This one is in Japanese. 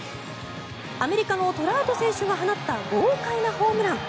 アメリカのトラウト選手が放った豪快なホームラン。